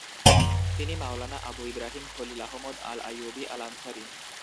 তিনি মাওলানা আবু ইব্রাহিম খলিল আহমদ আল আইয়ুবী আল আনসারী।